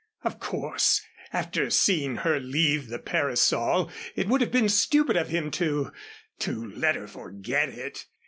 Of course, after seeing her leave the parasol it would have been stupid of him to to let her forget it.